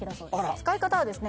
使い方はですね